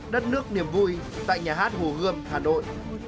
đất nước niềm vui tại nhà hát hồ gươm hà nội